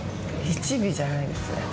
１尾じゃないですね